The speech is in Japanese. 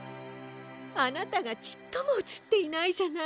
あなたがちっともうつっていないじゃない。